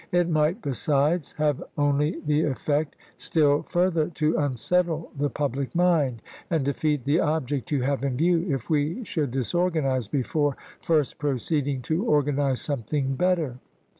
.. It might, besides, have only the effect still further to unsettle the public mind, and defeat the object you have in view, if we should disorganize before first proceeding to organize something bet ter."